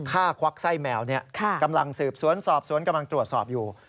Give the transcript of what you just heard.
ควักไส้แมวกำลังสืบสวนสอบสวนกำลังตรวจสอบอยู่